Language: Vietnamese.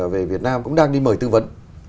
về việt nam cũng đang đi mời tư vấn